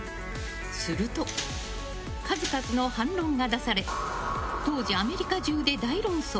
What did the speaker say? すると、数々の反論が出され当時、アメリカ中で大論争。